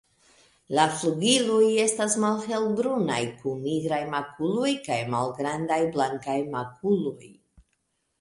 La flugiloj estas malhelbrunaj kun nigraj makuloj kaj malgrandaj blankaj makuloj.